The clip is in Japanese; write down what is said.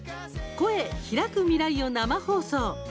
「声、ひらく未来」を生放送。